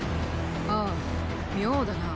ああ妙だな。